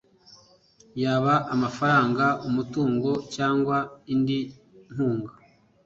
yaba amafaranga umutungo cyangwa indi nkunga